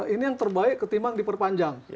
ini yang terbaik ketimbang diperpanjang